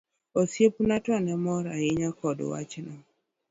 Osiepena to ne mor ahinya kod wachno.